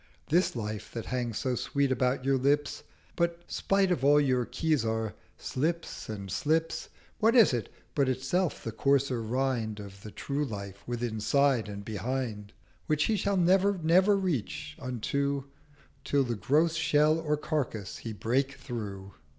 This Life that hangs so sweet about your Lips But, spite of all your Khizar, slips and slips, What is it but itself the coarser Rind Of the True Life withinside and behind, Which he shall never never reach unto Till the gross Shell of Carcase he break through?'